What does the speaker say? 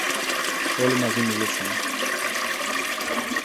Όλοι μαζί μιλούσαν.